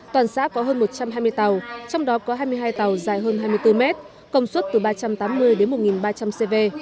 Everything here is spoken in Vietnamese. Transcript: toàn xã có hơn một trăm hai mươi tàu trong đó có hai mươi hai tàu dài hơn hai mươi bốn mét công suất từ ba trăm tám mươi đến một ba trăm linh cv